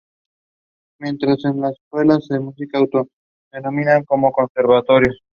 Mientras que las escuelas de música se autodenominan como "Conservatorio".